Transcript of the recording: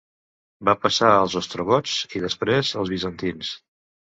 Va passar als ostrogots i després als bizantins.